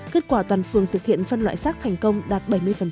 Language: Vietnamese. kết quả toàn phường thực hiện phân loại xác thành công đạt bảy mươi